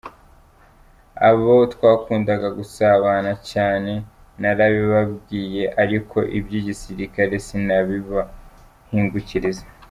Abo twakundaga gusabana cyane narabibabwiye ariko iby’igisirikare sinabibahingukiriza.